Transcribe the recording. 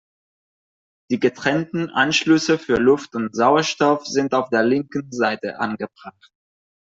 Die getrennten Anschlüsse für Luft und Sauerstoff sind auf der linken Seite angebracht.